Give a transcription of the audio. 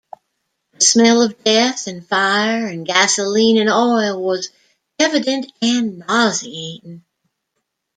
The smell of death, and fire, and gasoline, and oil was evident and nauseating.